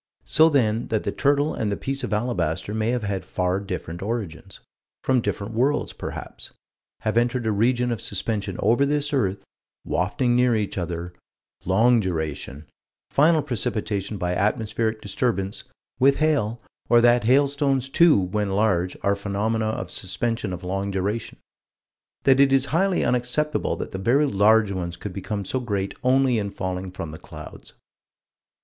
So then that the turtle and the piece of alabaster may have had far different origins from different worlds, perhaps have entered a region of suspension over this earth wafting near each other long duration final precipitation by atmospheric disturbance with hail or that hailstones, too, when large, are phenomena of suspension of long duration: that it is highly unacceptable that the very large ones could become so great only in falling from the clouds.